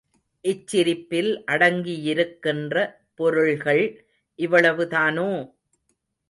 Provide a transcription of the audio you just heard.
இச்சிரிப்பில் அடங்கியிருக்கின்ற பொருள்கள் இவ்வளவுதானோ?